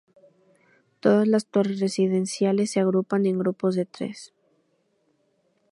Todas las torres residenciales se agrupan en grupos de tres.